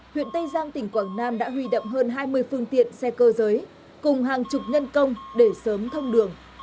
huyện tây giang tỉnh quảng nam đã huy động hơn hai mươi phương tiện xe cơ giới cùng hàng chục nhân công để sớm thông đường